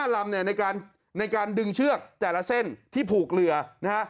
ลำเนี่ยในการดึงเชือกแต่ละเส้นที่ผูกเรือนะฮะ